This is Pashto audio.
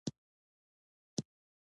ایا چای ډیر څښئ؟